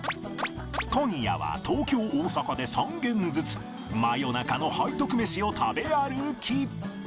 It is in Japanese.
今夜は東京大阪で３軒ずつ真夜中の背徳メシを食べ歩き